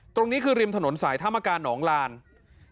ตรงนี้คือริมถนนสายธมากากรรมัสภาพรัฐนำหลาน